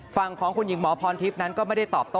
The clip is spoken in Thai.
ฝั่งของคุณหญิงหมอพรทิพย์นั้นก็ไม่ได้ตอบโต้